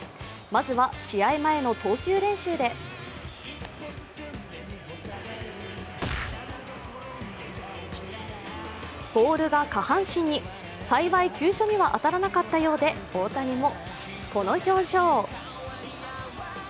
まずは、試合前の投球練習でボールが下半身に、幸い急所には当たらなかったようで、大谷も、この表情。